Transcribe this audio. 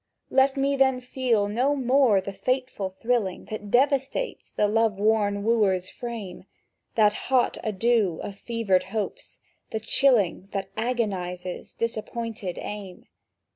Let me then feel no more the fateful thrilling That devastates the love worn wooer's frame, The hot ado of fevered hopes, the chilling That agonizes disappointed aim!